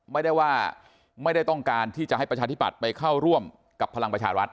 ไม่ได้ว่าไม่ได้ต้องการที่จะให้ประชาธิบัติไปเข้าร่วมกับพลังประชารัฐ